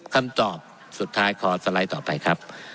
คำตอบสุดท้ายขอสไลด์ต่อไปครับ